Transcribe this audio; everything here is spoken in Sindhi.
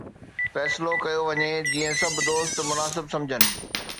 فيصلو ڪيو وڃي جيئن سڀ دوست مناسب سمجهن